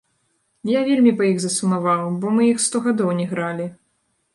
Я вельмі па іх засумаваў, бо мы іх сто гадоў не гралі.